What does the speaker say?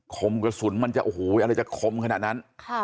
คมกระสุนมันจะโอ้โหอะไรจะคมขนาดนั้น